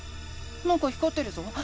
なんか光ってるぞ。